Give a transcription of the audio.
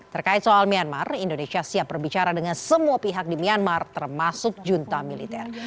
terkait soal myanmar indonesia siap berbicara dengan semua pihak di myanmar termasuk junta militer